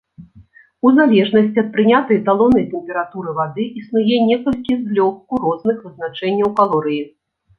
У залежнасці ад прынятай эталоннай тэмпературы вады, існуе некалькі злёгку розных вызначэнняў калорыі.